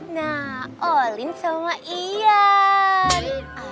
nah all in sama ian